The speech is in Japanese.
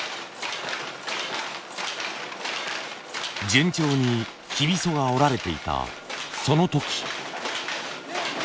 順調にきびそが織られていたその時。